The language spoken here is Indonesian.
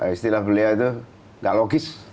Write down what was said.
istilah beliau itu gak logis